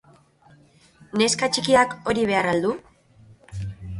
Neska txikiak hori behar al du?